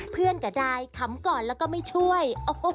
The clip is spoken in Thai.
เพื่อนก็ได้ขำก่อนแล้วก็ไม่ช่วย